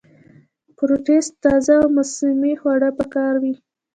فروټس تازه او موسمي خوړل پکار وي -